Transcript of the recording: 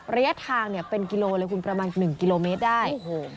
ระยะทางเนี่ยเป็นกิโลเลยคุณประมาณ๑กิโลเมตรได้โอ้โห